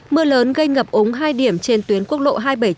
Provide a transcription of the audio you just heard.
mưa lớn gây ngập ống hai điểm trên tuyến quốc lộ hai trăm bảy mươi chín